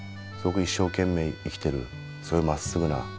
すごく一生懸命生きてるすごいまっすぐな。